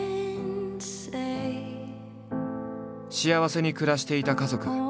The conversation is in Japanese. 幸せに暮らしていた家族。